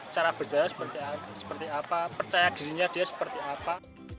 cara berjalan seperti apa percaya dirinya dia seperti apa